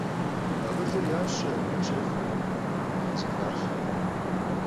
Akhılır yaşerkhım, khaşexurkhım – zexalhhe.